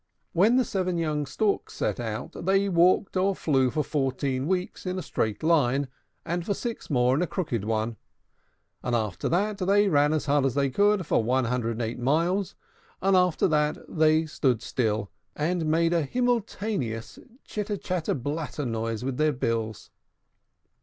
When the seven young Storks set out, they walked or flew for fourteen weeks in a straight line, and for six weeks more in a crooked one; and after that they ran as hard as they could for one hundred and eight miles; and after that they stood still, and made a himmeltanious chatter clatter blattery noise with their bills.